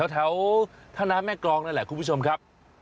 แถวท่าน้ำแม่กรองนั่นแหละคุณผู้ชมครับ